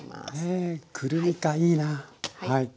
へえくるみかいいなはい。